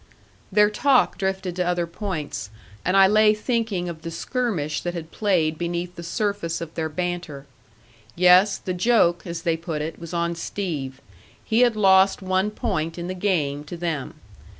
Their talk drifted to other points, and I lay thinking of the skirmish that had played beneath the surface of their banter. Yes, the joke, as they put it, was on Steve. He had lost one point in the game to them.